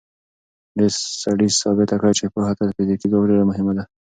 دې سړي ثابته کړه چې پوهه تر فزیکي ځواک ډېره مهمه ده.